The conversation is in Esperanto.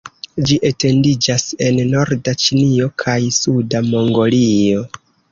Ĝi etendiĝas en norda Ĉinio kaj suda Mongolio.